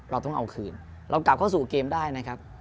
เราต้องเอาคืนเรากลับเข้าสู่เกมได้นะครับ